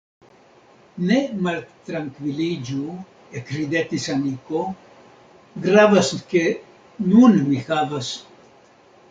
Ne maltrankviliĝu – ekridetis Aniko – Gravas, ke nun mi havas.